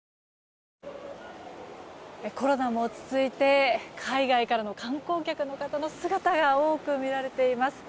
コロナも落ち着いて海外からの観光客の方の姿が多く見られています。